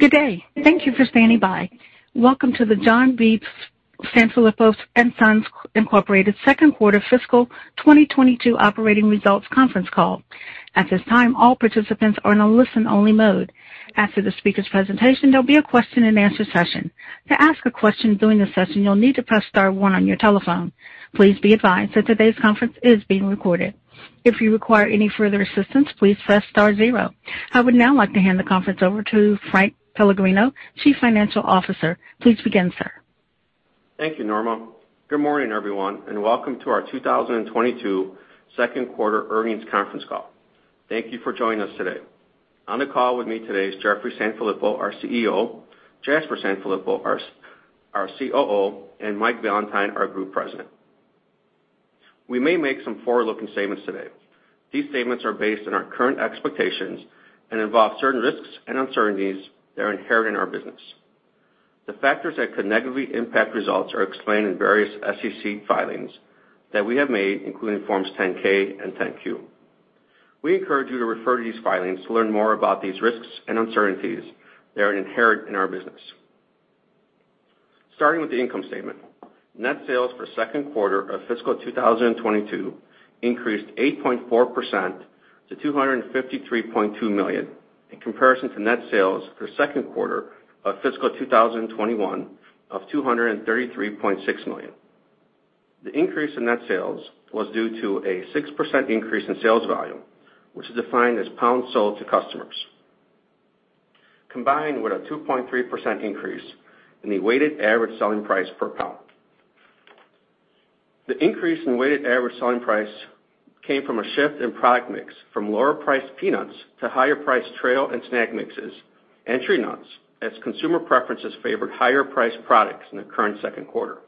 Good day. Thank you for standing by. Welcome to the John B. Sanfilippo & Son, Inc. second quarter fiscal 2022 operating results conference call. At this time, all participants are in a listen-only mode. After the speaker's presentation, there'll be a question-and-answer session. To ask a question during the session, you'll need to press star one on your telephone. Please be advised that today's conference is being recorded. If you require any further assistance, please press star zero. I would now like to hand the conference over to Frank Pellegrino, Chief Financial Officer. Please begin, sir. Thank you, Norma. Good morning, everyone, and welcome to our 2022 second quarter earnings conference call. Thank you for joining us today. On the call with me today is Jeffrey Sanfilippo, our CEO, Jasper Sanfilippo, our COO, and Mike Valentine, our Group President. We may make some forward-looking statements today. These statements are based on our current expectations and involve certain risks and uncertainties that are inherent in our business. The factors that could negatively impact results are explained in various SEC filings that we have made, including Forms 10-K and 10-Q. We encourage you to refer to these filings to learn more about these risks and uncertainties that are inherent in our business. Starting with the income statement. Net sales for second quarter of fiscal 2022 increased 8.4% to $253.2 million in comparison to net sales for second quarter of fiscal 2021 of $233.6 million. The increase in net sales was due to a 6% increase in sales volume, which is defined as pounds sold to customers, combined with a 2.3% increase in the weighted average selling price per pound. The increase in weighted average selling price came from a shift in product mix from lower priced peanuts to higher priced trail and snack mixes and tree nuts as consumer preferences favored higher priced products in the current second quarter.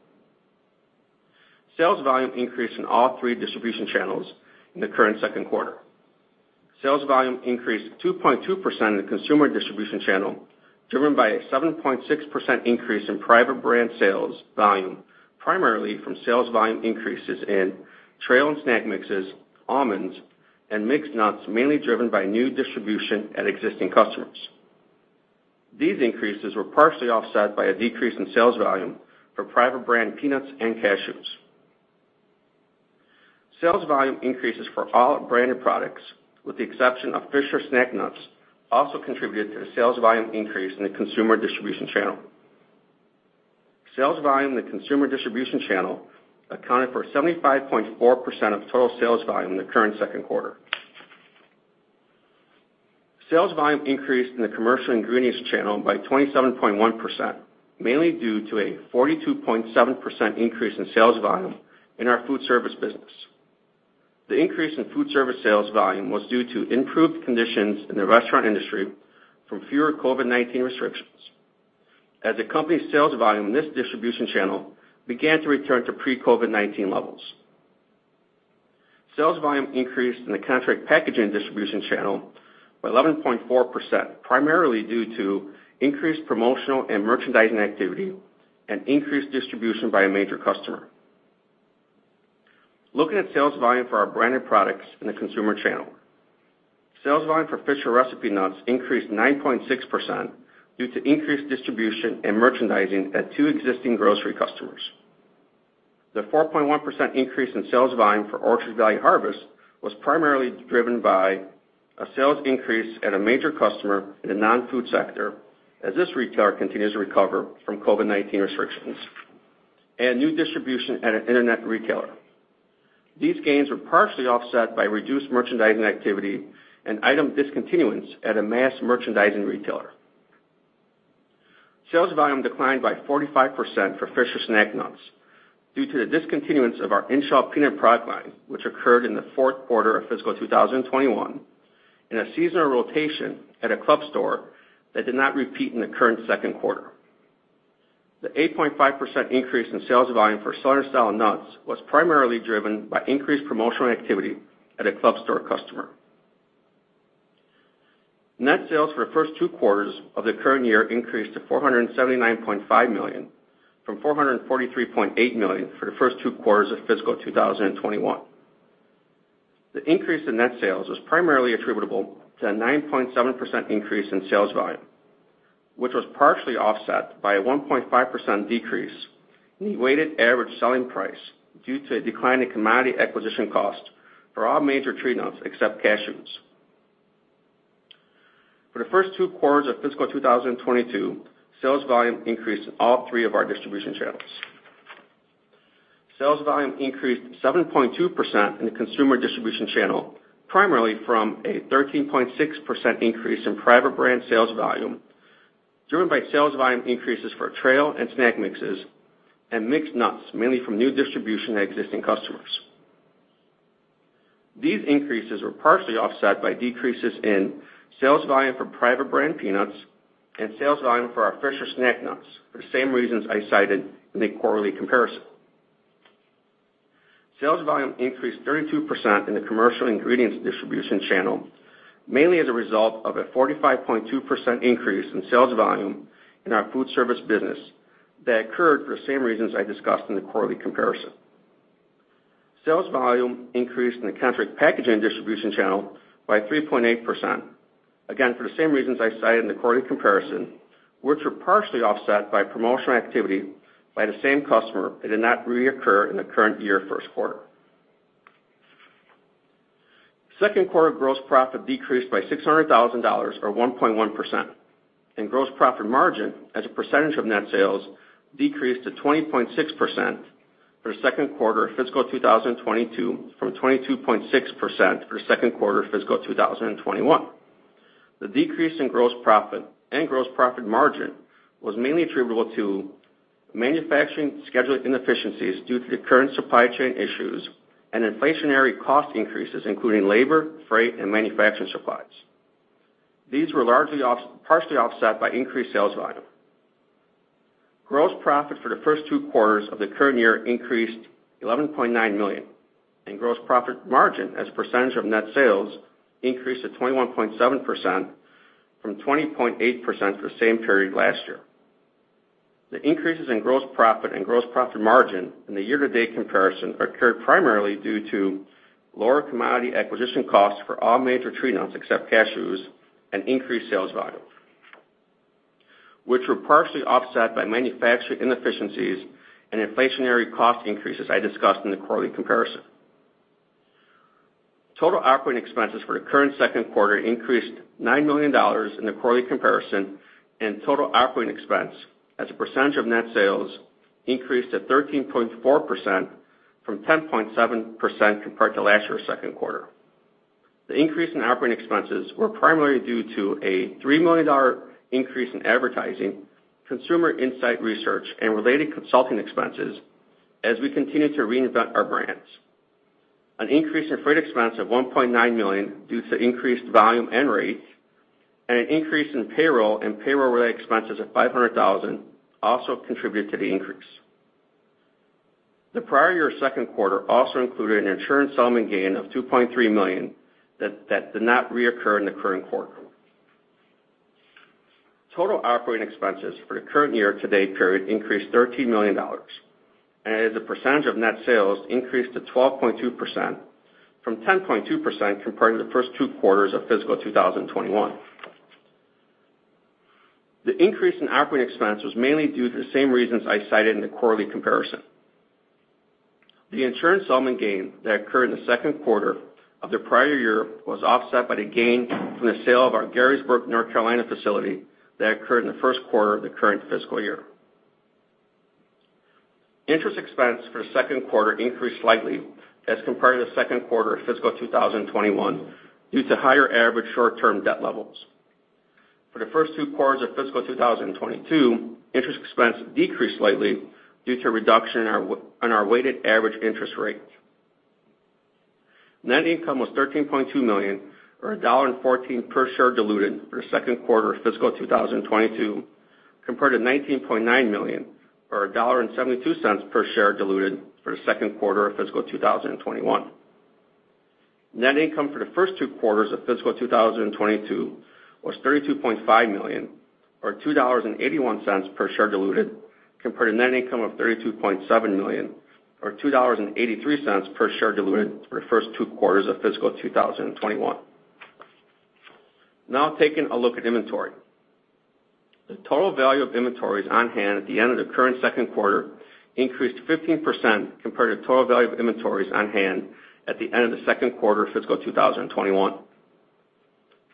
Sales volume increased in all three distribution channels in the current second quarter. Sales volume increased 2.2% in the consumer distribution channel, driven by a 7.6% increase in private brand sales volume, primarily from sales volume increases in trail and snack mixes, almonds, and mixed nuts, mainly driven by new distribution at existing customers. These increases were partially offset by a decrease in sales volume for private brand peanuts and cashews. Sales volume increases for all branded products, with the exception of Fisher Snack Nuts, also contributed to the sales volume increase in the consumer distribution channel. Sales volume in the consumer distribution channel accounted for 75.4% of total sales volume in the current second quarter. Sales volume increased in the commercial ingredients channel by 27.1%, mainly due to a 42.7% increase in sales volume in our food service business. The increase in food service sales volume was due to improved conditions in the restaurant industry from fewer COVID-19 restrictions, as the company's sales volume in this distribution channel began to return to pre-COVID-19 levels. Sales volume increased in the contract packaging distribution channel by 11.4%, primarily due to increased promotional and merchandising activity and increased distribution by a major customer. Looking at sales volume for our branded products in the consumer channel. Sales volume for Fisher Recipe Nuts increased 9.6% due to increased distribution and merchandising at two existing grocery customers. The 4.1% increase in sales volume for Orchard Valley Harvest was primarily driven by a sales increase at a major customer in the non-food sector as this retailer continues to recover from COVID-19 restrictions and new distribution at an internet retailer. These gains were partially offset by reduced merchandising activity and item discontinuance at a mass merchandising retailer. Sales volume declined by 45% for Fisher Snack Nuts due to the discontinuance of our in-shell peanut product line, which occurred in the fourth quarter of fiscal 2021, and a seasonal rotation at a club store that did not repeat in the current second quarter. The 8.5% increase in sales volume for Southern Style Nuts was primarily driven by increased promotional activity at a club store customer. Net sales for the first two quarters of the current year increased to $479.5 million from $443.8 million for the first two quarters of fiscal 2021. The increase in net sales was primarily attributable to a 9.7% increase in sales volume, which was partially offset by a 1.5% decrease in the weighted average selling price due to a decline in commodity acquisition cost for all major tree nuts except cashews. For the first two quarters of fiscal 2022, sales volume increased in all three of our distribution channels. Sales volume increased 7.2% in the consumer distribution channel, primarily from a 13.6% increase in private brand sales volume, driven by sales volume increases for trail and snack mixes and mixed nuts, mainly from new distribution at existing customers. These increases were partially offset by decreases in sales volume for private brand peanuts and sales volume for our Fisher Snack Nuts for the same reasons I cited in the quarterly comparison. Sales volume increased 32% in the commercial ingredients distribution channel, mainly as a result of a 45.2% increase in sales volume in our food service business that occurred for the same reasons I discussed in the quarterly comparison. Sales volume increased in the contract packaging distribution channel by 3.8%. Again, for the same reasons I cited in the quarterly comparison, which were partially offset by promotional activity by the same customer that did not reoccur in the current year first quarter. Second quarter gross profit decreased by $600,000 or 1.1%. Gross profit margin as a percentage of net sales decreased to 20.6% for the second quarter of fiscal 2022 from 22.6% for the second quarter of fiscal 2021. The decrease in gross profit and gross profit margin was mainly attributable to manufacturing scheduling inefficiencies due to the current supply chain issues and inflationary cost increases, including labor, freight, and manufacturing supplies. These were partially offset by increased sales volume. Gross profit for the first two quarters of the current year increased $11.9 million, and gross profit margin as a percentage of net sales increased to 21.7% from 20.8% for the same period last year. The increases in gross profit and gross profit margin in the year-to-date comparison occurred primarily due to lower commodity acquisition costs for all major tree nuts, except cashews, and increased sales volume, which were partially offset by manufacturing inefficiencies and inflationary cost increases I discussed in the quarterly comparison. Total operating expenses for the current second quarter increased $9 million in the quarterly comparison, and total operating expense as a percentage of net sales increased to 13.4% from 10.7% compared to last year's second quarter. The increase in operating expenses were primarily due to a $3 million increase in advertising, consumer insight research, and related consulting expenses as we continue to reinvent our brands. An increase in freight expense of $1.9 million due to increased volume and rates, and an increase in payroll and payroll-related expenses of $500,000 also contributed to the increase. The prior year's second quarter also included an insurance settlement gain of $2.3 million that did not reoccur in the current quarter. Total operating expenses for the current year-to-date period increased $13 million and as a percentage of net sales increased to 12.2% from 10.2% compared to the first two quarters of fiscal 2021. The increase in operating expense was mainly due to the same reasons I cited in the quarterly comparison. The insurance settlement gain that occurred in the second quarter of the prior year was offset by the gain from the sale of our Garysburg, North Carolina facility that occurred in the first quarter of the current fiscal year. Interest expense for the second quarter increased slightly as compared to the second quarter of fiscal 2021 due to higher average short-term debt levels. For the first two quarters of fiscal 2022, interest expense decreased slightly due to a reduction in our, on our weighted average interest rate. Net income was $13.2 million or $1.14 per share diluted for the second quarter of fiscal 2022 compared to $19.9 million or $1.72 per share diluted for the second quarter of fiscal 2021. Net income for the first two quarters of fiscal 2022 was $32.5 million or $2.81 per share diluted, compared to net income of $32.7 million or $2.83 per share diluted for the first two quarters of fiscal 2021. Now taking a look at inventory. The total value of inventories on hand at the end of the current second quarter increased 15% compared to the total value of inventories on hand at the end of the second quarter of fiscal 2021.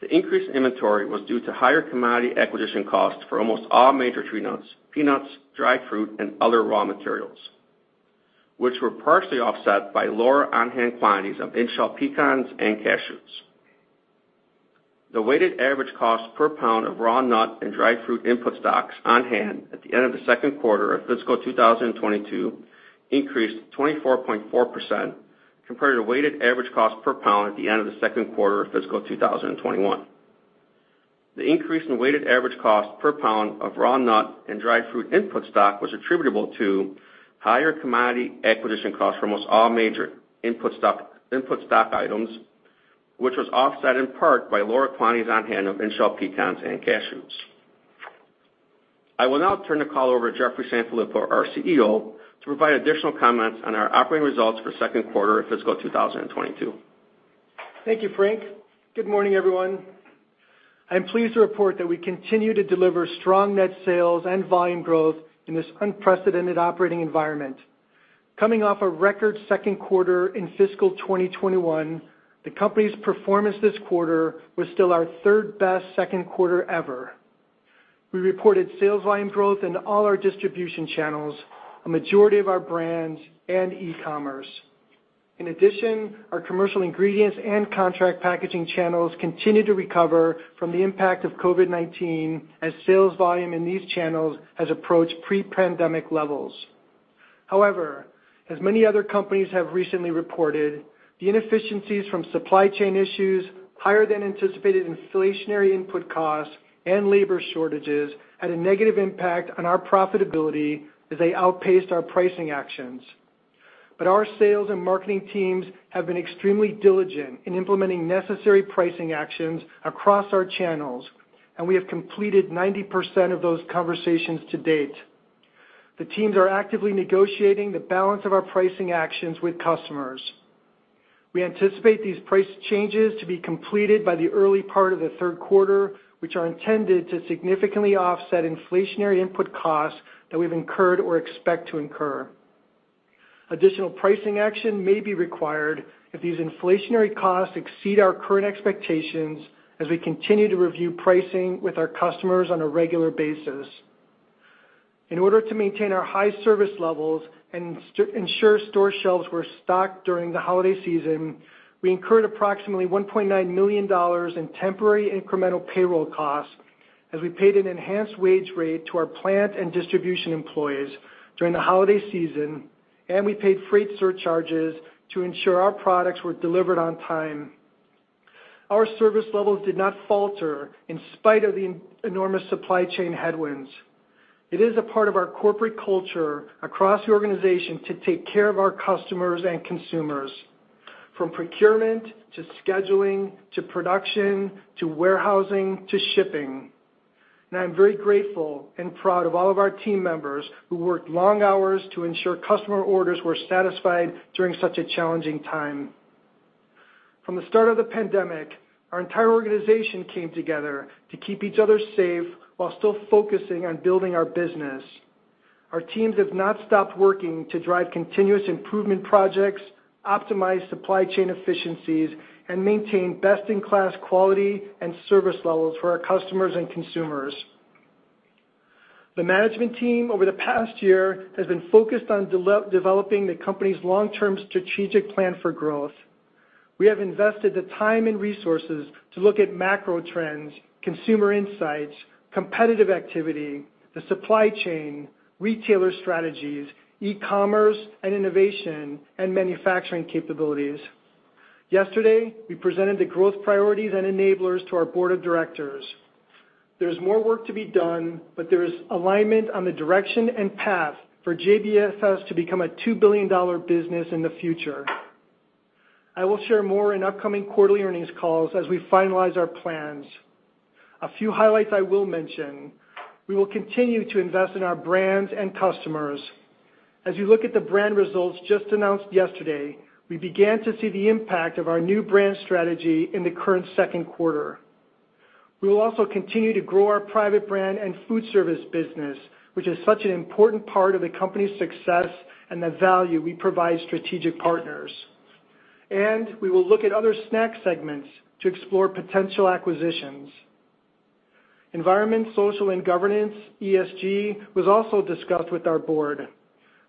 The increase in inventory was due to higher commodity acquisition costs for almost all major tree nuts, peanuts, dried fruit, and other raw materials, which were partially offset by lower on-hand quantities of in-shell pecans and cashews. The weighted average cost per pound of raw nut and dried fruit input stocks on hand at the end of the second quarter of fiscal 2022 increased to 24.4% compared to the weighted average cost per pound at the end of the second quarter of fiscal 2021. The increase in weighted average cost per pound of raw nut and dried fruit input stock was attributable to higher commodity acquisition costs for almost all major input stock items, which was offset in part by lower quantities on hand of in-shell pecans and cashews. I will now turn the call over to Jeffrey Sanfilippo, our CEO, to provide additional comments on our operating results for the second quarter of fiscal 2022. Thank you, Frank. Good morning, everyone. I'm pleased to report that we continue to deliver strong net sales and volume growth in this unprecedented operating environment. Coming off a record second quarter in fiscal 2021, the company's performance this quarter was still our third-best second quarter ever. We reported sales volume growth in all our distribution channels, a majority of our brands, and e-commerce. In addition, our commercial ingredients and contract packaging channels continue to recover from the impact of COVID-19 as sales volume in these channels has approached pre-pandemic levels. However, as many other companies have recently reported, the inefficiencies from supply chain issues, higher than anticipated inflationary input costs, and labor shortages had a negative impact on our profitability as they outpaced our pricing actions. Our sales and marketing teams have been extremely diligent in implementing necessary pricing actions across our channels. We have completed 90% of those conversations to date. The teams are actively negotiating the balance of our pricing actions with customers. We anticipate these price changes to be completed by the early part of the third quarter, which are intended to significantly offset inflationary input costs that we've incurred or expect to incur. Additional pricing action may be required if these inflationary costs exceed our current expectations as we continue to review pricing with our customers on a regular basis. In order to maintain our high service levels and ensure store shelves were stocked during the holiday season, we incurred approximately $1.9 million in temporary incremental payroll costs as we paid an enhanced wage rate to our plant and distribution employees during the holiday season, and we paid freight surcharges to ensure our products were delivered on time. Our service levels did not falter in spite of the enormous supply chain headwinds. It is a part of our corporate culture across the organization to take care of our customers and consumers, from procurement, to scheduling, to production, to warehousing, to shipping. I'm very grateful and proud of all of our team members who worked long hours to ensure customer orders were satisfied during such a challenging time. From the start of the pandemic, our entire organization came together to keep each other safe while still focusing on building our business. Our teams have not stopped working to drive continuous improvement projects, optimize supply chain efficiencies, and maintain best-in-class quality and service levels for our customers and consumers. The management team over the past year has been focused on developing the company's long-term strategic plan for growth. We have invested the time and resources to look at macro trends, consumer insights, competitive activity, the supply chain, retailer strategies, e-commerce, and innovation and manufacturing capabilities. Yesterday, we presented the growth priorities and enablers to our board of directors. There's more work to be done, but there is alignment on the direction and path for JBSS to become a $2 billion business in the future. I will share more in upcoming quarterly earnings calls as we finalize our plans. A few highlights I will mention. We will continue to invest in our brands and customers. As you look at the brand results just announced yesterday, we began to see the impact of our new brand strategy in the current second quarter. We will also continue to grow our private brand and food service business, which is such an important part of the company's success and the value we provide strategic partners. We will look at other snack segments to explore potential acquisitions. Environmental, social, and governance, ESG, was also discussed with our board.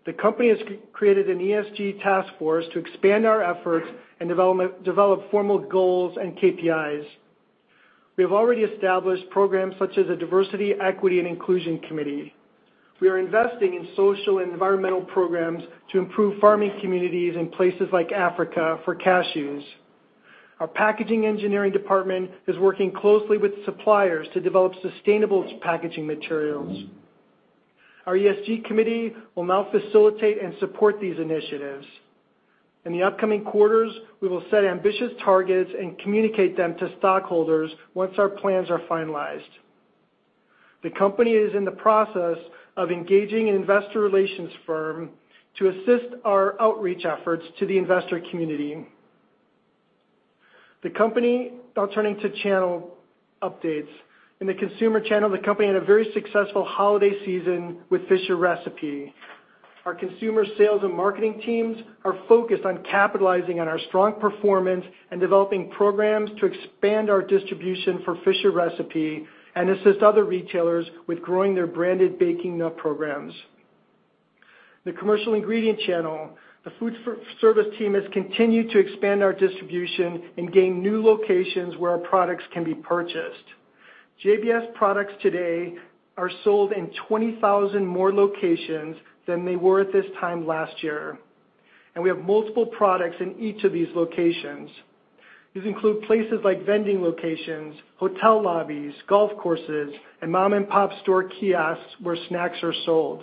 The company has created an ESG task force to expand our efforts and develop formal goals and KPIs. We have already established programs such as a diversity, equity, and inclusion committee. We are investing in social and environmental programs to improve farming communities in places like Africa for cashews. Our packaging engineering department is working closely with suppliers to develop sustainable packaging materials. Our ESG committee will now facilitate and support these initiatives. In the upcoming quarters, we will set ambitious targets and communicate them to stockholders once our plans are finalized. The company is in the process of engaging an investor relations firm to assist our outreach efforts to the investor community. Now turning to channel updates. In the consumer channel, the company had a very successful holiday season with Fisher Recipe. Our consumer sales and marketing teams are focused on capitalizing on our strong performance and developing programs to expand our distribution for Fisher Recipe and assist other retailers with growing their branded baking nut programs. The commercial ingredient channel, the food service team has continued to expand our distribution and gain new locations where our products can be purchased. JBSS products today are sold in 20,000 more locations than they were at this time last year, and we have multiple products in each of these locations. These include places like vending locations, hotel lobbies, golf courses, and mom-and-pop store kiosks where snacks are sold.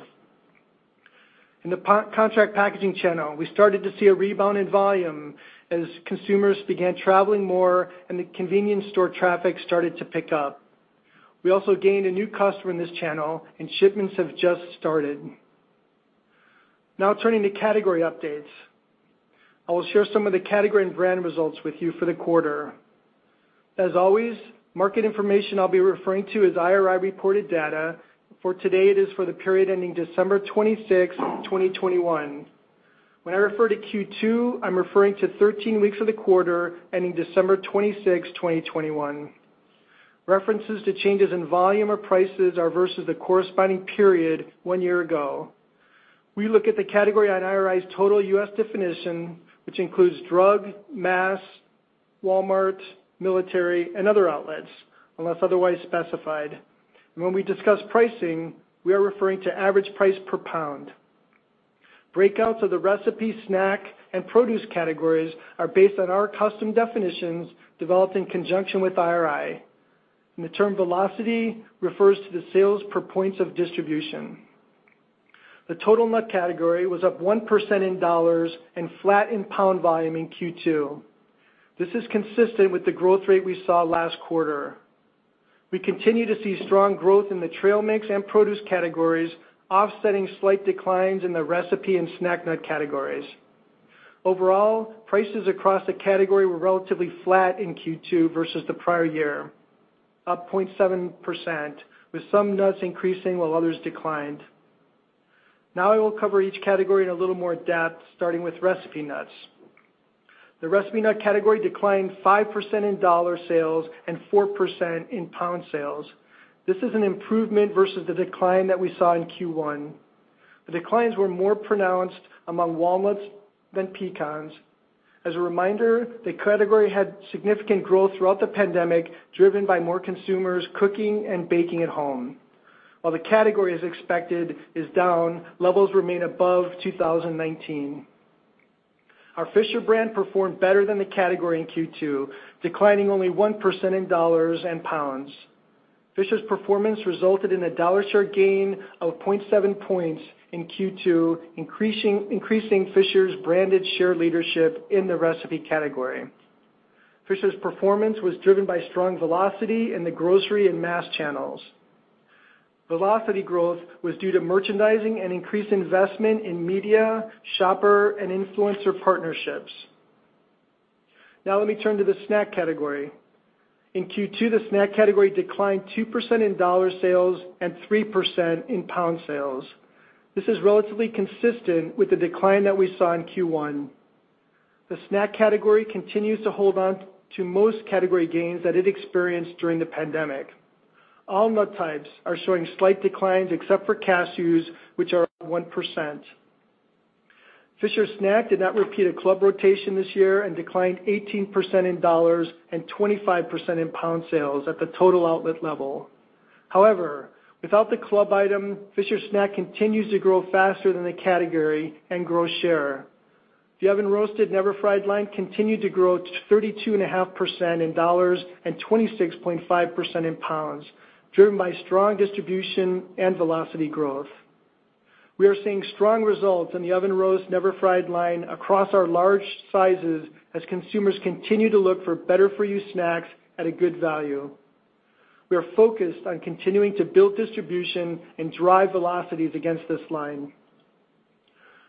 In the contract packaging channel, we started to see a rebound in volume as consumers began traveling more and the convenience store traffic started to pick up. We also gained a new customer in this channel, and shipments have just started. Now turning to category updates. I will share some of the category and brand results with you for the quarter. As always, market information I'll be referring to is IRI reported data. For today, it is for the period ending December 26, 2021. When I refer to Q2, I'm referring to 13 weeks of the quarter ending December 26, 2021. References to changes in volume or prices are versus the corresponding period one year ago. We look at the category on IRI's total U.S. definition, which includes drug, mass, Walmart, military, and other outlets, unless otherwise specified. When we discuss pricing, we are referring to average price per pound. Breakouts of the recipe, snack, and produce categories are based on our custom definitions developed in conjunction with IRI. The term velocity refers to the sales per points of distribution. The total nut category was up 1% in dollars and flat in pound volume in Q2. This is consistent with the growth rate we saw last quarter. We continue to see strong growth in the trail mix and produce categories, offsetting slight declines in the recipe and snack nut categories. Overall, prices across the category were relatively flat in Q2 versus the prior year, up 0.7%, with some nuts increasing while others declined. Now I will cover each category in a little more depth, starting with recipe nuts. The recipe nut category declined 5% in dollar sales and 4% in pound sales. This is an improvement versus the decline that we saw in Q1. The declines were more pronounced among walnuts than pecans. As a reminder, the category had significant growth throughout the pandemic, driven by more consumers cooking and baking at home. While the category, as expected, is down, levels remain above 2019. Our Fisher brand performed better than the category in Q2, declining only 1% in dollars and pounds. Fisher's performance resulted in a dollar share gain of 0.7 points in Q2, increasing Fisher's branded share leadership in the recipe category. Fisher's performance was driven by strong velocity in the grocery and mass channels. Velocity growth was due to merchandising and increased investment in media, shopper, and influencer partnerships. Now let me turn to the snack category. In Q2, the snack category declined 2% in dollar sales and 3% in pound sales. This is relatively consistent with the decline that we saw in Q1. The snack category continues to hold on to most category gains that it experienced during the pandemic. All nut types are showing slight declines except for cashews, which are up 1%. Fisher Snack did not repeat a club rotation this year and declined 18% in dollars and 25% in pound sales at the total outlet level. However, without the club item, Fisher Snack continues to grow faster than the category and grow share. The Oven Roasted Never Fried line continued to grow to 32.5% in dollars and 26.5% in pounds, driven by strong distribution and velocity growth. We are seeing strong results in the Oven Roasted Never Fried line across our large sizes as consumers continue to look for better for you snacks at a good value. We are focused on continuing to build distribution and drive velocities against this line.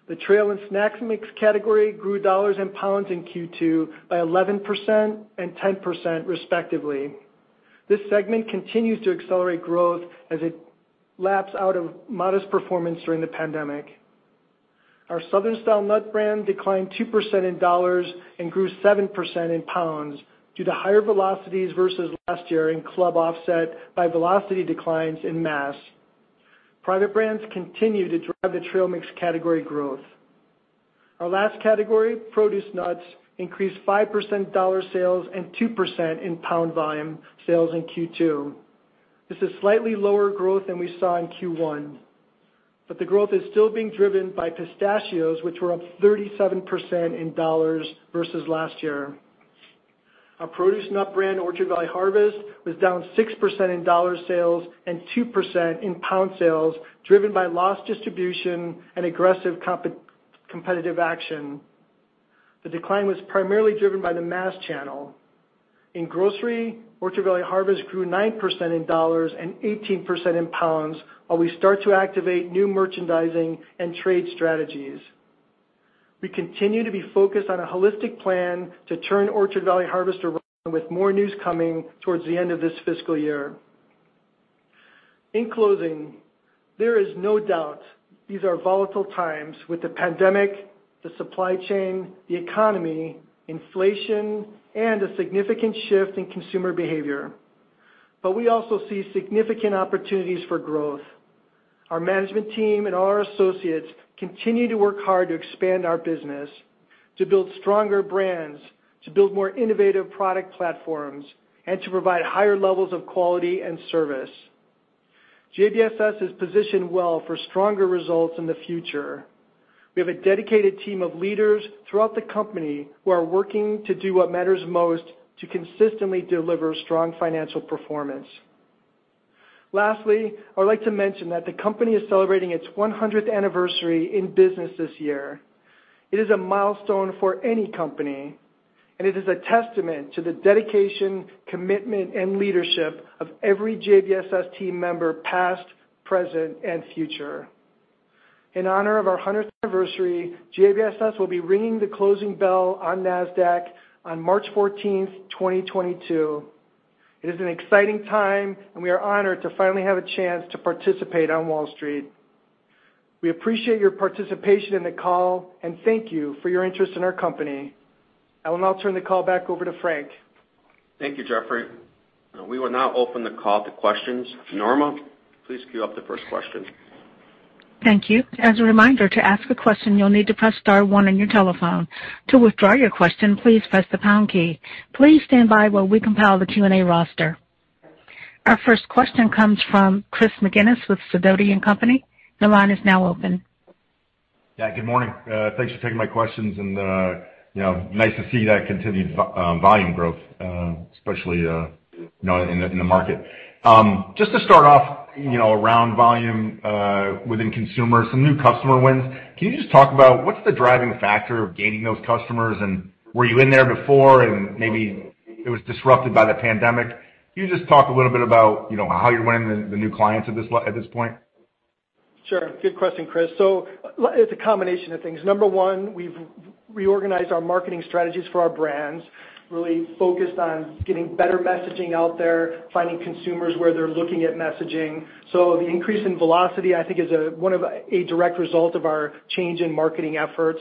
The trail and snack mix category grew dollars and pounds in Q2 by 11% and 10% respectively. This segment continues to accelerate growth as it laps out of modest performance during the pandemic. Our Southern Style nut brand declined 2% in dollars and grew 7% in pounds due to higher velocities versus last year in club offset by velocity declines in mass. Private brands continue to drive the trail mix category growth. Our last category, produce nuts, increased 5% dollar sales and 2% in pound volume sales in Q2. This is slightly lower growth than we saw in Q1, but the growth is still being driven by pistachios, which were up 37% in dollars versus last year. Our produce nut brand, Orchard Valley Harvest, was down 6% in dollar sales and 2% in pound sales, driven by lost distribution and aggressive competitive action. The decline was primarily driven by the mass channel. In grocery, Orchard Valley Harvest grew 9% in dollars and 18% in pounds while we start to activate new merchandising and trade strategies. We continue to be focused on a holistic plan to turn Orchard Valley Harvest around with more news coming towards the end of this fiscal year. In closing, there is no doubt these are volatile times with the pandemic, the supply chain, the economy, inflation and a significant shift in consumer behavior. We also see significant opportunities for growth. Our management team and all our associates continue to work hard to expand our business, to build stronger brands, to build more innovative product platforms, and to provide higher levels of quality and service. JBSS is positioned well for stronger results in the future. We have a dedicated team of leaders throughout the company who are working to do what matters most to consistently deliver strong financial performance. Lastly, I would like to mention that the company is celebrating its 100th anniversary in business this year. It is a milestone for any company, and it is a testament to the dedication, commitment and leadership of every JBSS team member, past, present and future. In honor of our 100th anniversary, JBSS will be ringing the closing bell on Nasdaq on March 14, 2022. It is an exciting time, and we are honored to finally have a chance to participate on Wall Street. We appreciate your participation in the call, and thank you for your interest in our company. I will now turn the call back over to Frank. Thank you, Jeffrey. We will now open the call to questions. Norma, please queue up the first question. Thank you. As a reminder, to ask a question, you'll need to press star one on your telephone. To withdraw your question, please press the pound key. Please stand by while we compile the Q&A roster. Our first question comes from Chris McGinnis with Sidoti & Company. The line is now open. Yeah. Good morning. Thanks for taking my questions, and, you know, nice to see that continued volume growth, especially, you know, in the market. Just to start off, you know, around volume within consumer, some new customer wins. Can you just talk about what's the driving factor of gaining those customers? And were you in there before, and maybe it was disrupted by the pandemic? Can you just talk a little bit about, you know, how you're winning the new clients at this point? Sure. Good question, Chris. It's a combination of things. Number one, we've reorganized our marketing strategies for our brands, really focused on getting better messaging out there, finding consumers where they're looking at messaging. The increase in velocity, I think, is one of a direct result of our change in marketing efforts.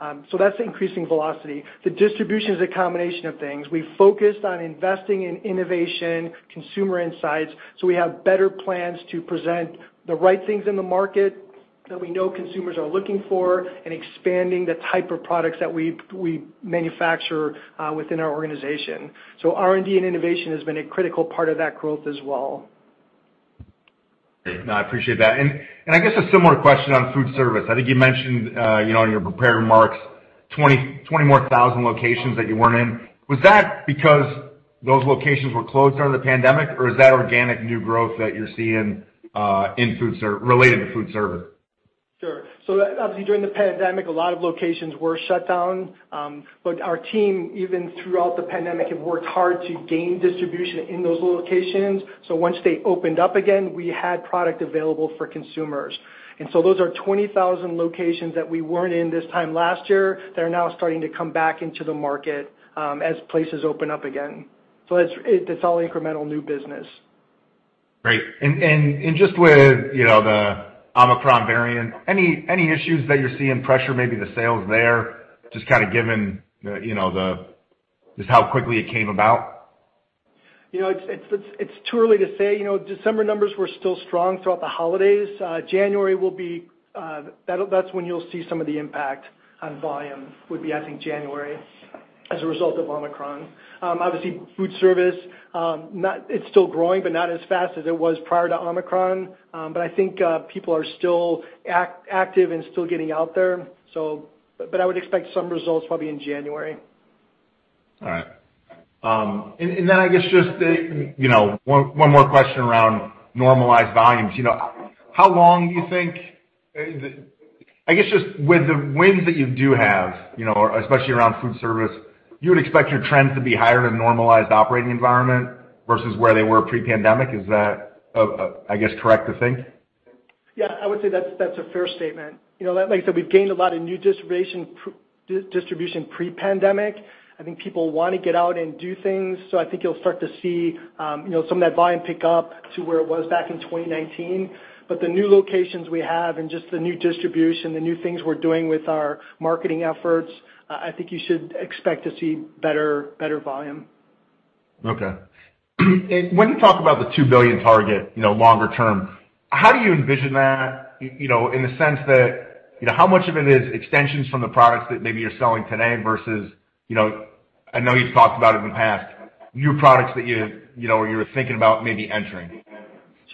That's increasing velocity. The distribution is a combination of things. We focused on investing in innovation, consumer insights, so we have better plans to present the right things in the market that we know consumers are looking for and expanding the type of products that we manufacture within our organization. R&D and innovation has been a critical part of that growth as well. No, I appreciate that. I guess a similar question on food service. I think you mentioned, you know, in your prepared remarks, 20,000 more locations that you weren't in. Was that because those locations were closed during the pandemic, or is that organic new growth that you're seeing, related to food service? Sure. Obviously, during the pandemic, a lot of locations were shut down. Our team, even throughout the pandemic, have worked hard to gain distribution in those locations. Once they opened up again, we had product available for consumers. Those are 20,000 locations that we weren't in this time last year. They're now starting to come back into the market, as places open up again. It's all incremental new business. Great. Just with, you know, the Omicron variant, any issues that you're seeing pressure, maybe the sales there, just kinda given the, you know, just how quickly it came about? You know, it's too early to say. You know, December numbers were still strong throughout the holidays. January will be, that's when you'll see some of the impact on volume, would be, I think January, as a result of Omicron. Obviously food service, it's still growing, but not as fast as it was prior to Omicron. But I think, people are still active and still getting out there. I would expect some results probably in January. All right. I guess one more question around normalized volumes. You know, how long do you think I guess just with the wins that you do have, you know, especially around food service, you would expect your trends to be higher than normalized operating environment versus where they were pre-pandemic. Is that, I guess, correct to think? Yeah. I would say that's a fair statement. You know, like I said, we've gained a lot of new distribution pre-pandemic. I think people wanna get out and do things, so I think you'll start to see, you know, some of that volume pick up to where it was back in 2019. The new locations we have and just the new distribution, the new things we're doing with our marketing efforts, I think you should expect to see better volume. Okay. When you talk about the $2 billion target, you know, longer term, how do you envision that? You know, in the sense that, you know, how much of it is extensions from the products that maybe you're selling today versus, you know, I know you've talked about it in the past, new products that you know, you're thinking about maybe entering?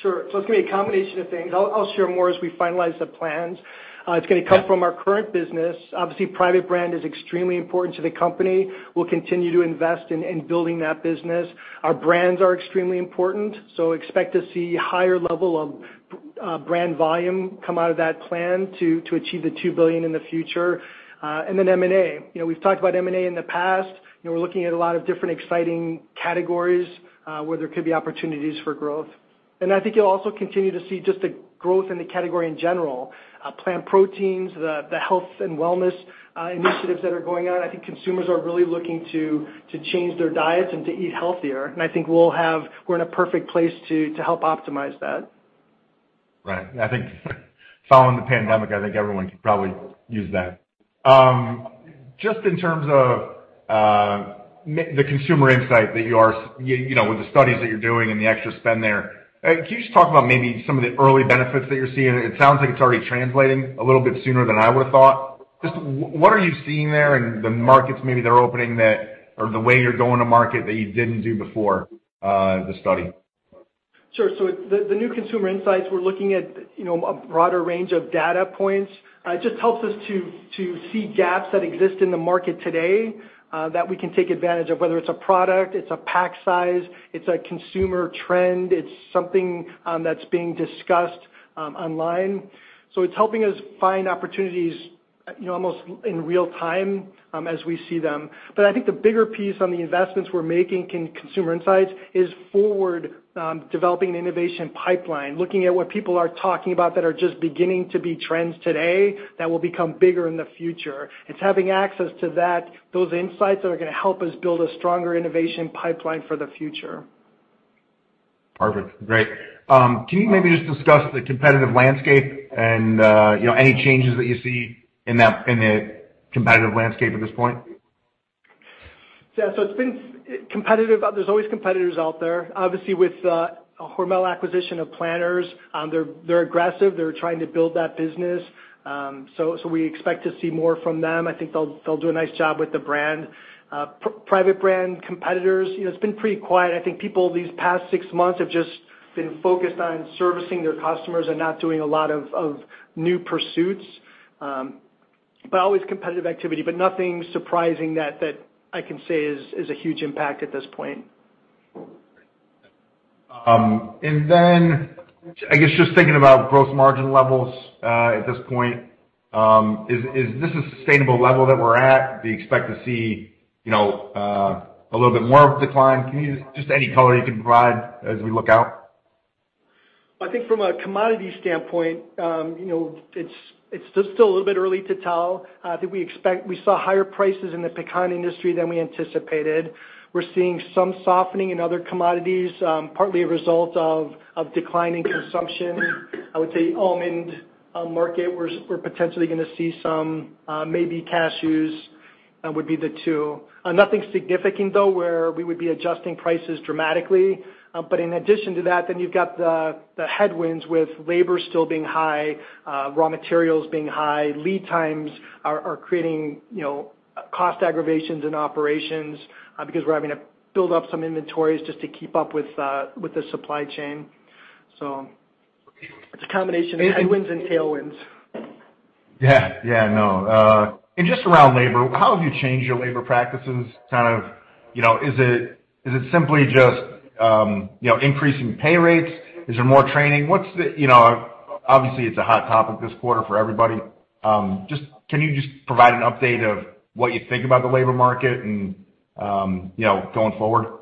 Sure. It's gonna be a combination of things. I'll share more as we finalize the plans. It's gonna come from our current business. Obviously, private brand is extremely important to the company. We'll continue to invest in building that business. Our brands are extremely important, so expect to see higher level of brand volume come out of that plan to achieve the $2 billion in the future. Then M&A. You know, we've talked about M&A in the past. You know, we're looking at a lot of different exciting categories, where there could be opportunities for growth. I think you'll also continue to see just the growth in the category in general, plant proteins, the health and wellness initiatives that are going on. I think consumers are really looking to change their diets and to eat healthier, and I think we're in a perfect place to help optimize that. Right. I think following the pandemic, I think everyone could probably use that. Just in terms of the consumer insight that you know, with the studies that you're doing and the extra spend there, can you just talk about maybe some of the early benefits that you're seeing? It sounds like it's already translating a little bit sooner than I would've thought. Just what are you seeing there and the markets maybe that are opening that or the way you're going to market that you didn't do before the study? Sure. The new consumer insights, we're looking at, you know, a broader range of data points. It just helps us to see gaps that exist in the market today that we can take advantage of, whether it's a product, it's a pack size, it's a consumer trend, it's something that's being discussed online. It's helping us find opportunities, you know, almost in real time as we see them. I think the bigger piece on the investments we're making in consumer insights is forward, developing an innovation pipeline, looking at what people are talking about that are just beginning to be trends today that will become bigger in the future. It's having access to those insights that are gonna help us build a stronger innovation pipeline for the future. Perfect. Great. Can you maybe just discuss the competitive landscape and, you know, any changes that you see in that, in the competitive landscape at this point? Yeah. It's been competitive. There's always competitors out there. Obviously, with Hormel acquisition of Planters, they're aggressive. They're trying to build that business. We expect to see more from them. I think they'll do a nice job with the brand. Private brand competitors, you know, it's been pretty quiet. I think people these past six months have just been focused on servicing their customers and not doing a lot of new pursuits. Always competitive activity, but nothing surprising that I can say is a huge impact at this point. I guess just thinking about gross margin levels at this point, is this a sustainable level that we're at? Do you expect to see, you know, a little bit more of a decline? Can you just any color you can provide as we look out? I think from a commodity standpoint, you know, it's just still a little bit early to tell. We saw higher prices in the pecan industry than we anticipated. We're seeing some softening in other commodities, partly a result of declining consumption. I would say almond market, we're potentially gonna see some, maybe cashews. That would be the two. Nothing significant, though, where we would be adjusting prices dramatically. But in addition to that, then you've got the headwinds with labor still being high, raw materials being high. Lead times are creating, you know, cost aggravations in operations, because we're having to build up some inventories just to keep up with the supply chain. It's a combination of headwinds and tailwinds. Yeah. Yeah, I know. Just around labor, how have you changed your labor practices, kind of, you know, is it simply just, you know, increasing pay rates? Is there more training? You know, obviously, it's a hot topic this quarter for everybody. Can you just provide an update of what you think about the labor market and, you know, going forward?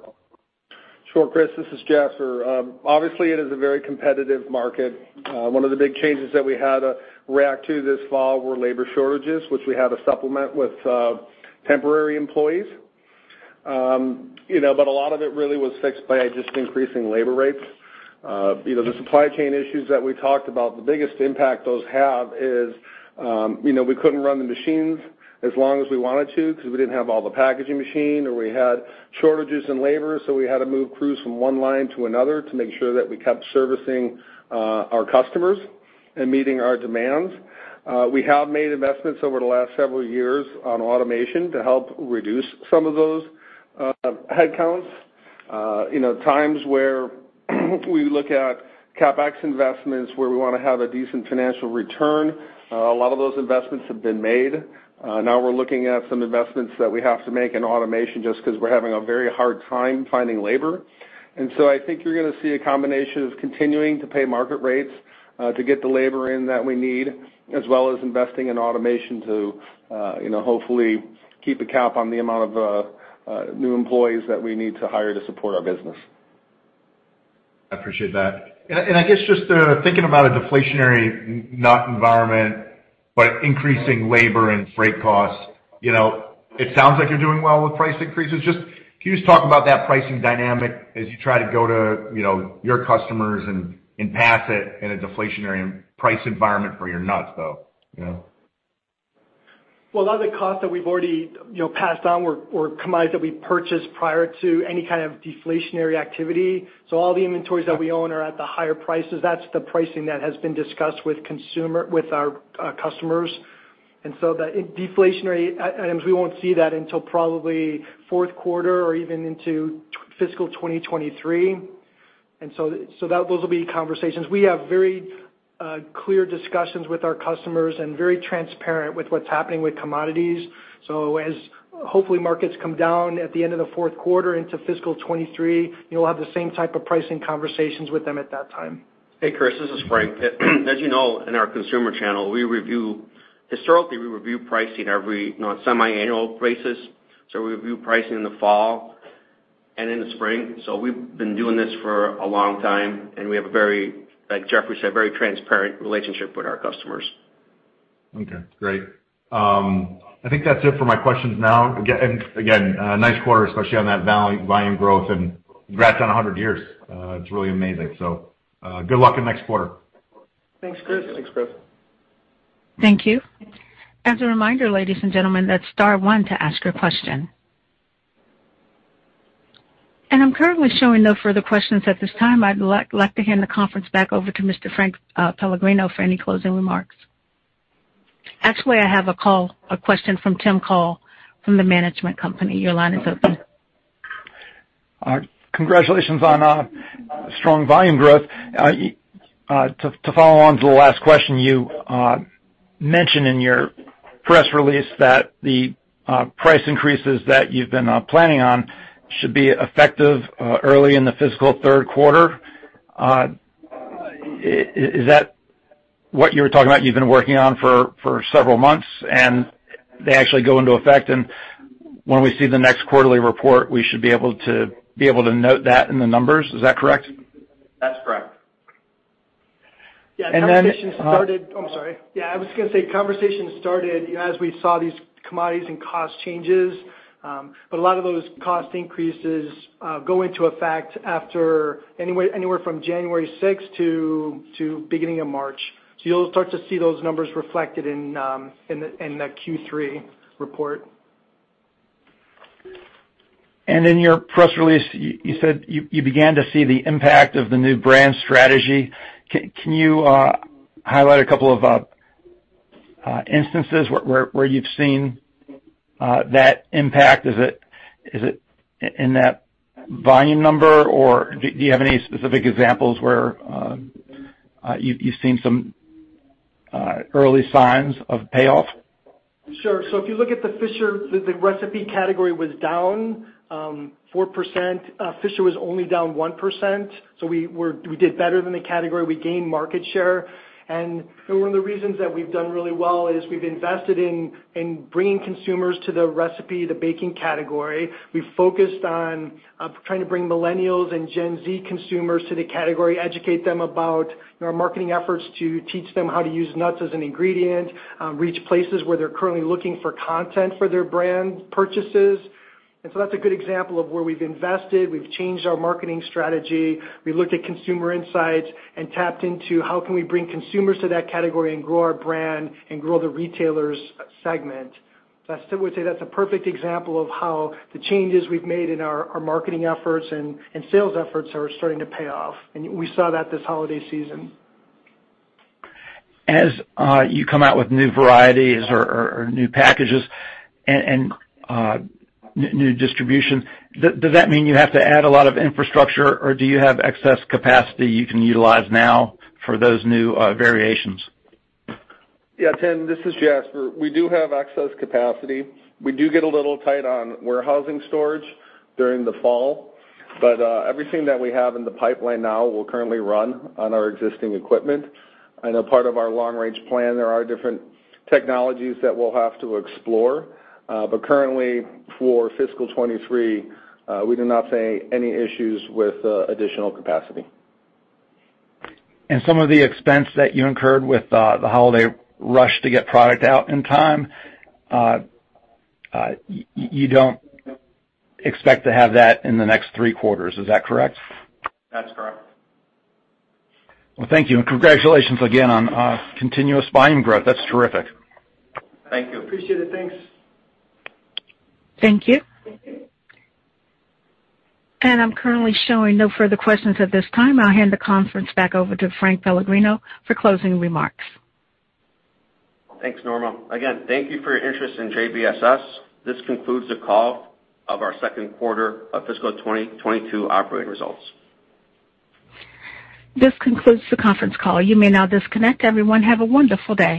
Sure, Chris. This is Jeffrey. Obviously, it is a very competitive market. One of the big changes that we had to react to this fall were labor shortages, which we had to supplement with temporary employees. You know, a lot of it really was fixed by just increasing labor rates. You know, the supply chain issues that we talked about, the biggest impact those have is, you know, we couldn't run the machines as long as we wanted to because we didn't have all the packaging machine or we had shortages in labor, so we had to move crews from one line to another to make sure that we kept servicing our customers and meeting our demands. We have made investments over the last several years on automation to help reduce some of those headcounts. You know, times where we look at CapEx investments, where we wanna have a decent financial return, a lot of those investments have been made. Now we're looking at some investments that we have to make in automation just 'cause we're having a very hard time finding labor. I think you're gonna see a combination of continuing to pay market rates, to get the labor in that we need, as well as investing in automation to, you know, hopefully keep a cap on the amount of new employees that we need to hire to support our business. I appreciate that. I guess just thinking about a deflationary nut environment, but increasing labor and freight costs, you know, it sounds like you're doing well with price increases. Just, can you just talk about that pricing dynamic as you try to go to, you know, your customers and pass it in a deflationary price environment for your nuts, though, you know? Well, a lot of the costs that we've already, you know, passed on were commodities that we purchased prior to any kind of deflationary activity. All the inventories that we own are at the higher prices. That's the pricing that has been discussed with our customers. The deflationary items, we won't see that until probably fourth quarter or even into fiscal 2023. Those will be conversations. We have very clear discussions with our customers and very transparent with what's happening with commodities. As hopefully markets come down at the end of the fourth quarter into fiscal 2023, we'll have the same type of pricing conversations with them at that time. Hey, Chris, this is Frank. As you know, in our consumer channel, historically, we review pricing every, you know, semiannual basis. We review pricing in the fall and in the spring. We've been doing this for a long time, and we have a very, like Jeffrey said, very transparent relationship with our customers. Okay, great. I think that's it for my questions now. Again, nice quarter, especially on that value volume growth, and congrats on 100 years. It's really amazing. Good luck in next quarter. Thanks, Chris. Thanks, Chris. Thank you. As a reminder, ladies and gentlemen, that's star one to ask your question. I'm currently showing no further questions at this time. I'd like to hand the conference back over to Mr. Frank Pellegrino for any closing remarks. Actually, I have a question from Tim Call from The Capital Management Corporation. Your line is open. Congratulations on strong volume growth. To follow on to the last question, you mentioned in your press release that the price increases that you've been planning on should be effective early in the fiscal third quarter. Is that what you were talking about you've been working on for several months, and they actually go into effect? When we see the next quarterly report, we should be able to note that in the numbers. Is that correct? That's correct. Yeah, conversation started. And then, uh- I'm sorry. Yeah, I was gonna say conversations started as we saw these commodities and cost changes, but a lot of those cost increases go into effect after anywhere from January sixth to beginning of March. You'll start to see those numbers reflected in the Q3 report. In your press release, you said you began to see the impact of the new brand strategy. Can you highlight a couple of instances where you've seen that impact. Is it in that volume number, or do you have any specific examples where you've seen some early signs of payoff? Sure. If you look at the Fisher, the recipe category was down 4%. Fisher was only down 1%, so we did better than the category, we gained market share. One of the reasons that we've done really well is we've invested in bringing consumers to the recipe, the baking category. We've focused on trying to bring millennials and Gen Z consumers to the category, educate them about our marketing efforts to teach them how to use nuts as an ingredient, reach places where they're currently looking for content for their brand purchases. That's a good example of where we've invested, we've changed our marketing strategy. We looked at consumer insights and tapped into how can we bring consumers to that category and grow our brand and grow the retailers' segment. That's. I would say that's a perfect example of how the changes we've made in our marketing efforts and sales efforts are starting to pay off. We saw that this holiday season. As you come out with new varieties or new packages and new distribution, does that mean you have to add a lot of infrastructure, or do you have excess capacity you can utilize now for those new variations? Yeah, Tim, this is Jasper. We do have excess capacity. We do get a little tight on warehousing storage during the fall, but everything that we have in the pipeline now will currently run on our existing equipment. I know part of our long range plan, there are different technologies that we'll have to explore. Currently, for fiscal 2023, we do not see any issues with additional capacity. Some of the expense that you incurred with the holiday rush to get product out in time, you don't expect to have that in the next three quarters. Is that correct? That's correct. Well, thank you, and congratulations again on continuous volume growth. That's terrific. Thank you. Appreciate it. Thanks. Thank you. I'm currently showing no further questions at this time. I'll hand the conference back over to Frank Pellegrino for closing remarks. Thanks, Norma. Again, thank you for your interest in JBSS. This concludes the call of our second quarter of fiscal 2022 operating results. This concludes the conference call. You may now disconnect. Everyone, have a wonderful day.